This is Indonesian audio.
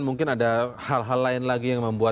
mungkin ada hal hal lain lagi yang membuat